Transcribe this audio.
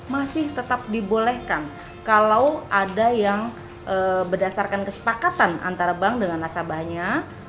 masih tetap dibolehkan kalau ada yang berdasarkan kesepakatan antara bank dengan nasabahnya